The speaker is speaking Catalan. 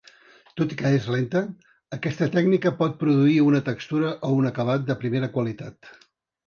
Tot i que és lenta, aquesta tècnica pot produir una textura o un acabat de primera qualitat.